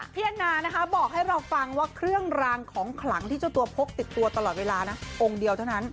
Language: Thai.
แอนนานะคะบอกให้เราฟังว่าเครื่องรางของขลังที่เจ้าตัวพกติดตัวตลอดเวลานะองค์เดียวเท่านั้น